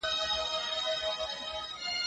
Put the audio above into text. زه د کتابتون د کار مرسته کړې ده!.